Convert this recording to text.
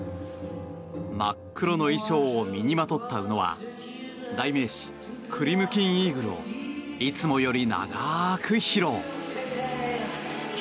真っ黒の衣装を身にまとった宇野は代名詞、クリムキンイーグルをいつもより長く披露。